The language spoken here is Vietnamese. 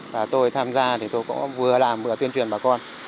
và tôi tham gia thì tôi cũng vừa làm vừa tuyên truyền bà con